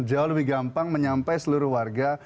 jauh lebih gampang menyampai seluruh warga